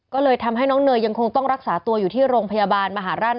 ก็เลยทำให้น้องเนยยังคงต้องรักษาตัวอยู่ที่โรงพยาบาลมหาราช